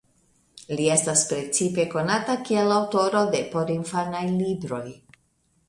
Li estas precipe konata kiel aŭtoro de porinfanaj libroj.